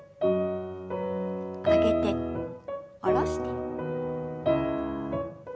上げて下ろして。